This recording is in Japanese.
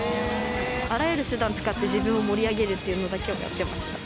あらゆる手段使って自分を盛り上げるっていうのだけはやってました。